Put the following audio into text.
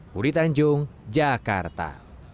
budi tanjung jakarta